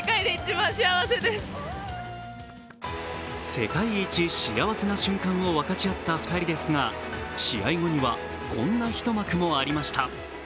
世界一幸せな瞬間を分かち合った２人ですが、試合後には、こんな一幕もありました。